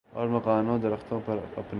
اور مکانوں درختوں پر اپنے